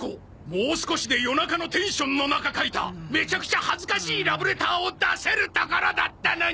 もう少しで夜中のテンションの中書いためちゃくちゃ恥ずかしいラブレターを出せるところだったのに！